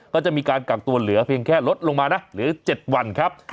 ก็จะมีการกักตัวเหลือเพียงแค่ลดลงมานะเหลือ๗วันครับ